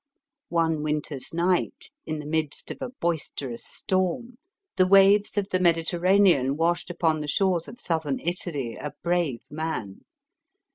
One winter's night, in the midst of a boisterous storm, the waves of the Mediterranean washed upon the shores of Southern Italy a brave man.